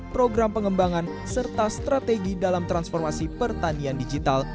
program pengembangan serta strategi dalam transformasi pertanian digital